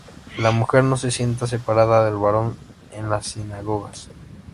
La mujer no se sienta separada del varón en las sinagogas.